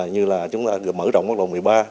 như là chúng ta mở rộng quốc lộ một mươi ba